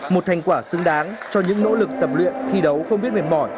một thành quả xứng đáng cho những nỗ lực tập luyện thi đấu không biết mệt mỏi